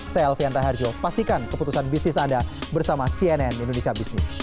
saya alfian raharjo pastikan keputusan bisnis anda bersama cnn indonesia business